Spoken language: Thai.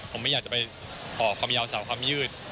ผมไม่อยากจะไปขอคำย้าวเศร้าคำยืด